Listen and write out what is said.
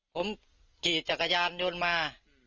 ผมขี่จักรยานยนต์มา